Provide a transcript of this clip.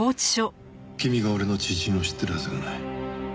君が俺の知人を知ってるはずがない。